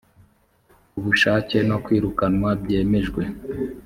k ubushake no kwirukanwa byemejwe